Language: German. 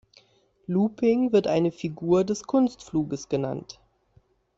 Looping wird eine Figur des Kunstfluges genannt.